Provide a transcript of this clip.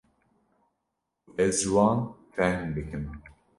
ku ez ji wan fehm bikim